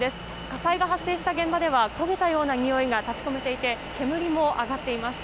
火災が発生した現場では焦げたようなにおいが立ち込めていて煙も上がっています。